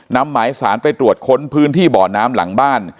นำหมายสารไปตรวจค้นพื้นที่บ่อน้ำหลังบ้าน